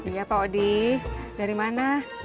iya pak odi dari mana